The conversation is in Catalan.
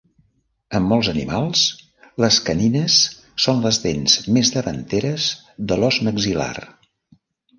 En molts animals, les canines són les dents més davanteres de l'os maxil·lar.